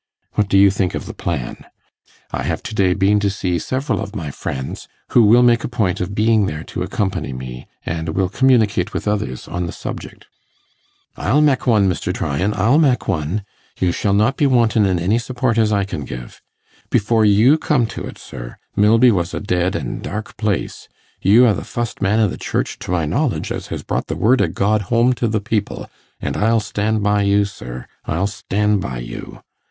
What do you think of the plan? I have to day been to see several of my friends, who will make a point of being there to accompany me, and will communicate with others on the subject.' 'I'll mek one, Mr. Tryan, I'll mek one. You shall not be wantin' in any support as I can give. Before you come to it, sir, Milby was a dead an' dark place; you are the fust man i' the Church to my knowledge as has brought the word o' God home to the people; an' I'll stan' by you, sir, I'll stan' by you.